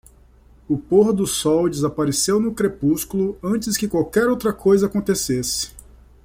O pôr do sol desapareceu no crepúsculo antes que qualquer outra coisa acontecesse.